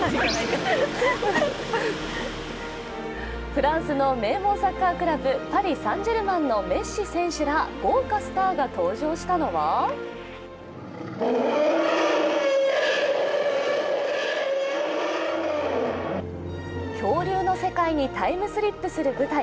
フランスの名門サッカークラブパリ・サン＝ジェルマンのメッシ選手ら豪華スターが登場したのは恐竜の世界にタイムスリップする舞台